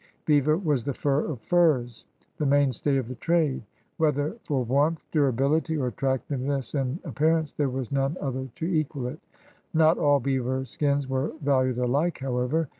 Beaver was the fur of furs, and the mainstay of the trade. Whether for warmth, durability, or attractiveness in ap pearance, there was none other to equal it. Not all beaver skins were valued alike, however.